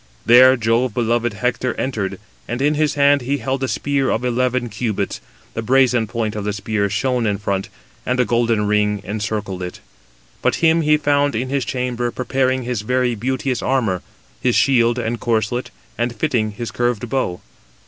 There Jove beloved Hector entered, and in his hand he held a spear of eleven cubits; the brazen point of the spear shone in front, and a golden ring encircled it. But him he found in his chamber preparing his very beauteous armour, his shield and corslet, and fitting his curved bow.